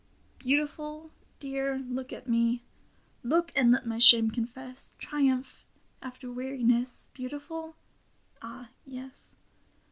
Beautiful ?••• Dear, look at me I Look and let my shame confess Triumph after weariness. Beautiful ? Ah, yes.